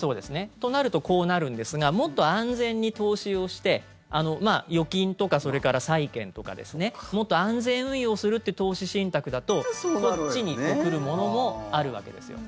となると、こうなるんですがもっと安全に投資をして預金とか、それから債券とかもっと安全運用するっていう投資信託だとそっちに来るものもあるわけですよ。